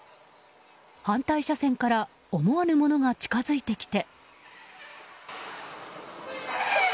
反対車線から思わぬものが近づいてきて。